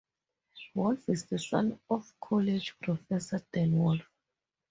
Wolf is the son of college professor Dan Wolf.